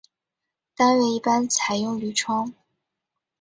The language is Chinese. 单位一般采用铝窗。